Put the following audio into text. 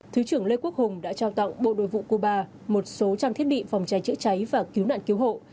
thứ trưởng lê quốc hùng đã trao tặng bộ đội vụ cuba một số trang thiết bị phòng cháy chữa cháy và cứu nạn cứu hộ